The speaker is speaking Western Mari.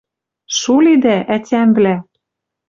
— Шу лидӓ, ӓтямвлӓ!